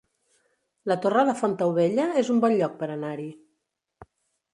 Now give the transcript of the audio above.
La Torre de Fontaubella es un bon lloc per anar-hi